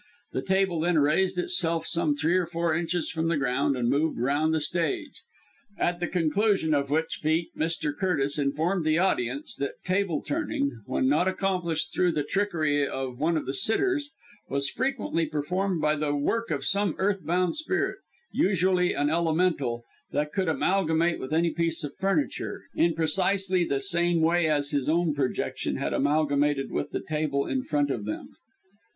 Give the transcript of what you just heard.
The table then raised itself some three or four inches from the ground and moved round the stage; at the conclusion of which feat Mr. Curtis informed the audience that "table turning" when not accomplished through the trickery of one of the sitters was frequently performed by the work of some earth bound spirit usually an Elemental that could amalgamate with any piece of furniture, in precisely the same way as his own projection had amalgamated with the table in front of them.